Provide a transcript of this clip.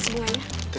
supaya dia tbsp